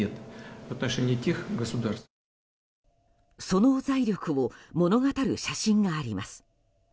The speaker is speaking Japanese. その財力を物語る写真があります。